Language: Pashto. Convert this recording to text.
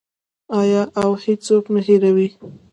آیا او هیڅوک نه هیروي؟